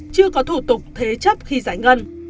chưa có thủ tục thế chấp khi giải ngân